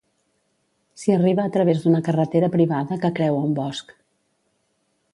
S'hi arriba a través d'una carretera privada que creua un bosc.